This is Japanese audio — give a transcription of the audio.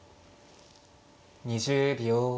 ２０秒。